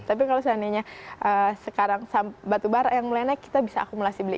tapi kalau seandainya sekarang batu bara yang mulai naik kita bisa akumulasi beli